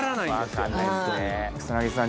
草薙さん